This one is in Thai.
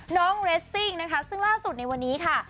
น้องเรสซิ่งนะคะซึ่งล่าสุดในวันนี้ค่ะ